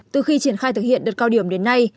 từ khi triển khai thực hiện đợt cao điểm đến nay